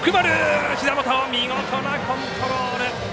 見事なコントロール。